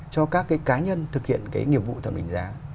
cho các cái cá nhân thực hiện cái nghiệp vụ thẩm định giá